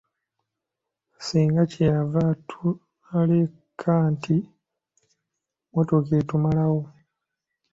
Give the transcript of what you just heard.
Ssenga kye yava aleka nti "mmotoka etumalawo!"